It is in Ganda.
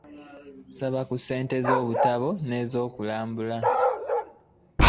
Nsaba ku ssente z'obutabo n'ezokulambula.